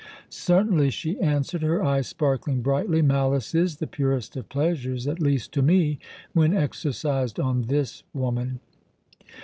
"Certainly," she answered, her eyes sparkling brightly. "Malice is the purest of pleasures; at least to me, when exercised on this woman."